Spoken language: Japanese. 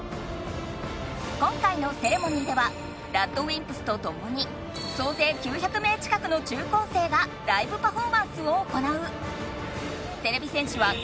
今回のセレモニーではＲＡＤＷＩＭＰＳとともにそうぜい９００名近くの中高生がライブパフォーマンスを行う。